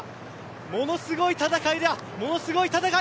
ものすごい戦いだ。